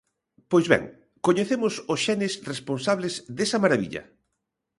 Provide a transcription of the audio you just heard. Pois ben, coñecemos os xenes responsables desa marabilla.